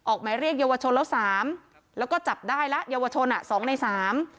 ออกไม้เรียกยาวชนแล้วสามแล้วก็จับได้แล้วยาวชนสองในสาม